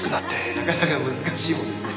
なかなか難しいもんですね。